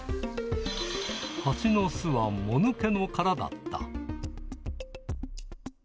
ハチの巣はもぬけの殻だった。